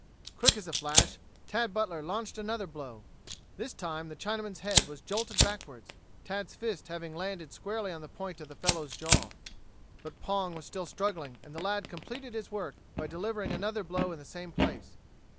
Quick as a flash, Tad Butler launched another blow. This time the Chinaman's head was jolted backwards, Tad's fist having landed squarely on the point of the fellow's jaw. But Pong was still struggling, and the lad completed his work by delivering another blow in the same place.